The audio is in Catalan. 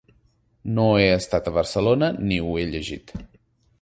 No he estat a Barcelona ni ho he llegit.